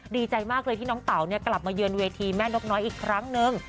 ดีใจมากเลยที่น้องเต๋ากลับมาเยือนเวทีแม่นกน้อยอีกครั้งนึง